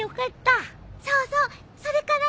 そうそうそれからね。